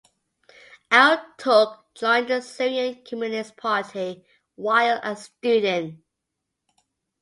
Al-Turk joined the Syrian Communist Party while a student.